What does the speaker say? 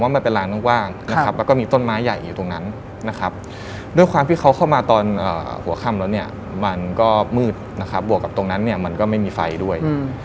มันเป็นลานกว้างนะครับแล้วก็มีต้นไม้ใหญ่อยู่ตรงนั้นนะครับด้วยความที่เขาเข้ามาตอนหัวค่ำแล้วเนี่ยมันก็มืดนะครับบวกกับตรงนั้นเนี่ยมันก็ไม่มีไฟด้วย